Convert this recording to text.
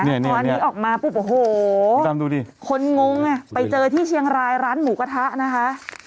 ตอนนี้ออกมาปุ๊บโอ้โหจำดูดิคนงงอ่ะไปเจอที่เชียงรายร้านหมูกระทะนะคะ